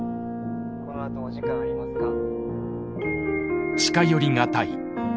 このあとお時間ありますか？